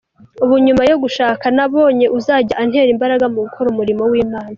Ubu nyuma yo gushaka nabonye uzajya antera imbaraga mu gukora umurimo w’Imana.